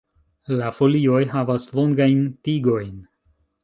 La folioj havas longajn tigojn.